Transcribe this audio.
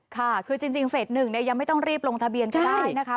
ค่ะคือจริงเฟส๑เนี่ยยังไม่ต้องรีบลงทะเบียนก็ได้นะคะ